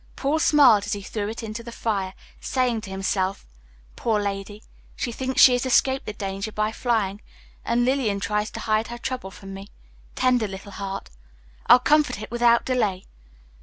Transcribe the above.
Paul smiled as he threw it into the fire, saying to himself, "Poor lady, she thinks she has escaped the danger by flying, and Lillian tries to hide her trouble from me. Tender little heart! I'll comfort it without delay."